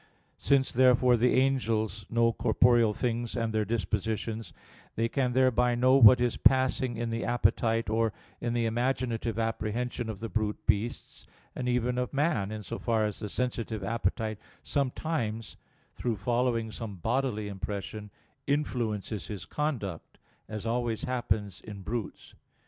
Since, therefore, the angels know corporeal things and their dispositions, they can thereby know what is passing in the appetite or in the imaginative apprehension of the brute beasts, and even of man, in so far as the sensitive appetite sometimes, through following some bodily impression, influences his conduct, as always happens in brutes.